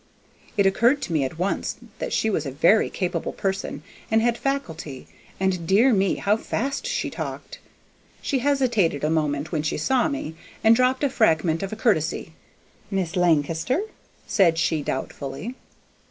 It occurred to me at once that she was a very capable person, and had "faculty," and, dear me, how fast she talked! She hesitated a moment when she saw me, and dropped a fragment of a courtesy. "Miss Lan'k'ster?" said she, doubtfully.